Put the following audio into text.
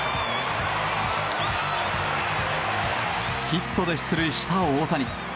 ヒットで出塁した大谷。